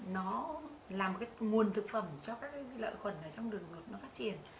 nó làm một cái nguồn thực phẩm cho các cái lợi khuẩn ở trong đường ruột nó phát triển